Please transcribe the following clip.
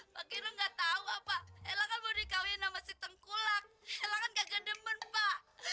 pak gino nggak tahu pak ela kan mau dikawin sama si tengkulak ela kan nggak gede men pak